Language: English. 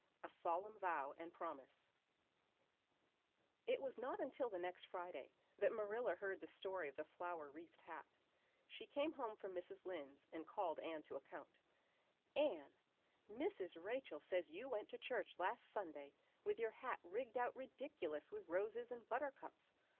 A Solemn Vow and Promise IT was not until the next Friday that Marilla heard the story of the flower wreathed hat. She came home from Mrs. Lynde's and called Anne to account. "Anne, Mrs. Rachel says you went to church last Sunday with your hat rigged out ridiculous with roses and buttercups.